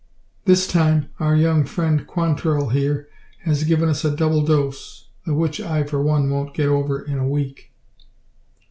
This time, our young friend Quantrell here, has given us a double dose, the which I for one won't get over in a week."